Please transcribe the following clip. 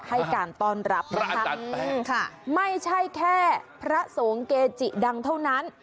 ให้การต้อนรับพระอาจารย์แป๊ะอืมค่ะไม่ใช่แค่พระสูงเกจิดังเท่านั้น